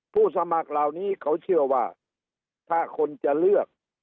สมัครเหล่านี้เขาเชื่อว่าถ้าคนจะเลือก